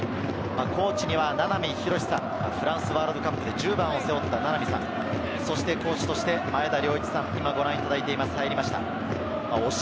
コーチには名波浩さん、フランスワールドカップで１０番を背負った名波さん、そしてコーチとして前田遼一さん、今、ご覧いただいています。